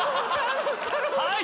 はい！